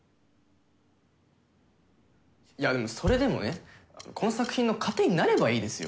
いやでもそれでもねこの作品の糧になればいいですよ。